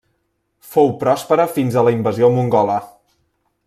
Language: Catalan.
Fou pròspera fins a la invasió mongola.